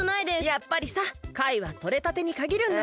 やっぱりさかいはとれたてにかぎるんだよ。